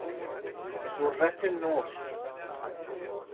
ذرت نورس